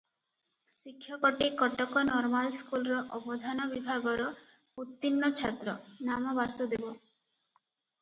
ଶିକ୍ଷକଟି Cuttack normal ସ୍କୁଲର ଅବଧାନ ବିଭାଗର ଉତ୍ତୀର୍ଣ୍ଣ ଛାତ୍ର, ନାମ ବାସୁଦେବ ।